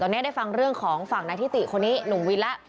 ตอนนี้ได้ฟังเรื่องของฝั่งนายทิติคนนี้หนุ่มวินแล้ว